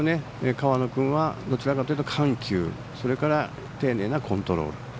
河野君はどちらかというと緩急それから丁寧なコントロール。